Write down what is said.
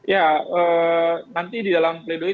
ya nanti di dalam play doh